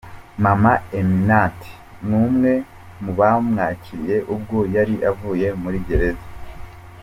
Maman Eminante n'umwe mu bamwakiriye ubwo yari avuye muri gereza.